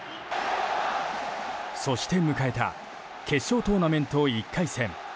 そして、迎えた決勝トーナメント１回戦。